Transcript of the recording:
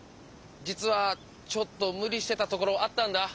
じつはちょっとむりしてたところあったんだ。